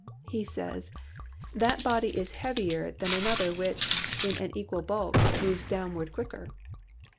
He says : "That body is heavier than another which, in an equal bulk, moves downward quicker."